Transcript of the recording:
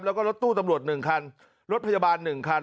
แล้วก็รถตู้ตำรวจ๑คันรถพยาบาล๑คัน